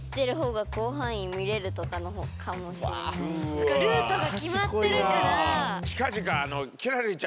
そうかルートが決まってるから。